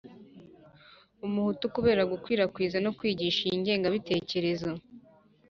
umuhutu kubera gukwirakwiza no kwigisha iyi ngengabitekerezo